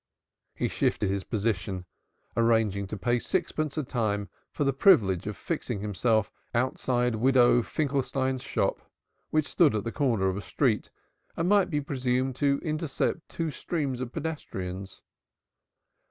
He shifted his position, arranging to pay sixpence a time for the privilege of fixing himself outside Widow Finkelstein's shop, which stood at the corner of a street, and might be presumed to intercept two streams of pedestrians.